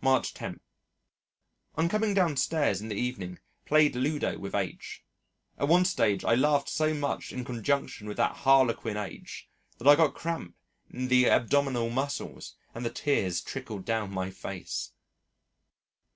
March 10. On coming downstairs in the evening played Ludo with H . At one stage I laughed so much in conjunction with that harlequin H that I got cramp in the abdominal muscles and the tears trickled down my face.